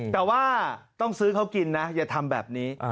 แต่ว่าต้องซื้อเขากินนะอย่าทำแบบนี้